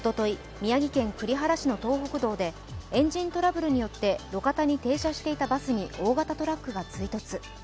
宮城県栗原市の東北道で、エンジントラブルによって、路肩に停車していたバスに大型トラックが追突。